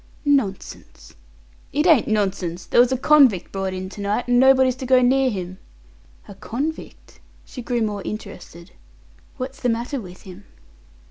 "Nonsense." "It ain't nonsense. There was a convict brought in to night, and nobody's to go near him." "A convict!" She grew more interested. "What's the matter with him?"